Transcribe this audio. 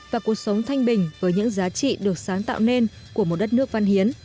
và cuộc sống thanh bình với những giá trị được sáng tạo nên của một đất nước văn hiến